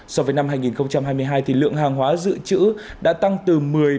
so với năm hai nghìn hai mươi hai lượng hàng hóa dự trữ đã tăng từ một mươi